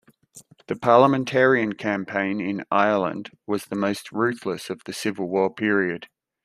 The Parliamentarian campaign in Ireland was the most ruthless of the Civil War period.